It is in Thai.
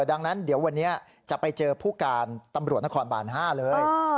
ดังนั้นเดี๋ยววันนี้จะไปเจอผู้การตำรวจนครบาน๕เลย